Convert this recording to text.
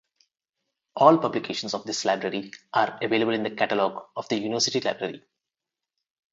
All publications of this library are available in the catalogue of the university library.